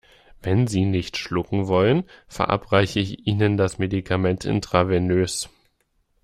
Wenn Sie nicht schlucken wollen, verabreiche ich Ihnen das Medikament intravenös.